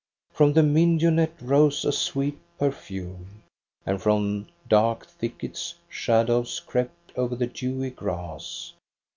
" From the mignonette rose a sweet perfume, And from dark thickets shadows crept over the dewy grass.